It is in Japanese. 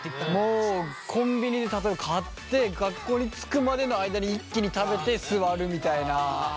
もうコンビニで例えば買って学校に着くまでの間に一気に食べて座るみたいな。